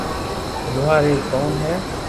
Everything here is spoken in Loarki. لوھار ايڪ قوم ھي